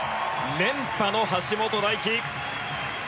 連覇の橋本大輝。